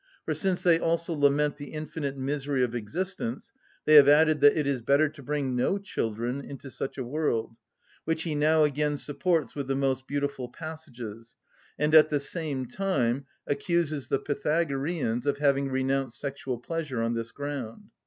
For since they also lament the infinite misery of existence, they have added that it is better to bring no children into such a world; which he now again supports with the most beautiful passages, and, at the same time, accuses the Pythagoreans of having renounced sexual pleasure on this ground.